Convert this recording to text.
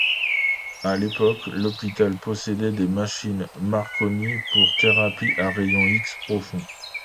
À l'époque, l'hôpital possédait des machines Marconi pour thérapie à rayons X profonds.